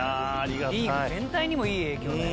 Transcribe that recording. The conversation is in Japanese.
リーグ全体にもいい影響だよ。